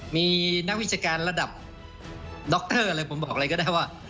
มีนักวิชาการระดับดรอะไรผมบอกอะไรก็ได้ว่า